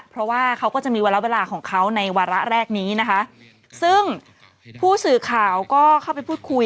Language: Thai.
เพราะว่าเขาก็จะมีวาระเวลาของเขาในวาระแรกนี้นะคะซึ่งผู้สื่อข่าวก็เข้าไปพูดคุย